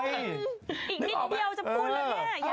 อีกนิดเดียวจะพูดแล้วเนี่ย